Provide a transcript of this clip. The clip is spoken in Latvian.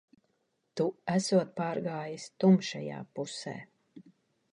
Tu esot pārgājis tumšajā pusē.